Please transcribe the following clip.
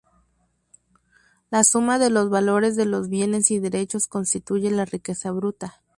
La suma de los valores de los bienes y derechos constituye la riqueza bruta.